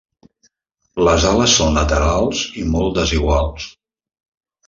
Les ales són laterals i mol desiguals.